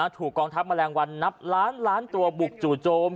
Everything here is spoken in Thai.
ถูกกองทัพแมลงวันนับล้านล้านตัวบุกจู่โจม